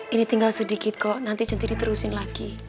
ini tinggal sedikit kok nanti centini terusin lagi